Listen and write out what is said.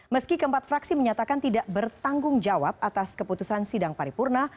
meski keempat fraksi menyatakan tidak bertanggung jawab atas keputusan sidang paripurna